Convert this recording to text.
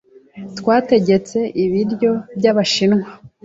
Twategetse ibiryo byabashinwa.